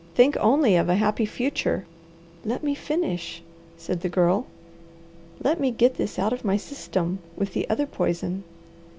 Think only of a happy future!" "Let me finish," said the Girl. "Let me get this out of my system with the other poison.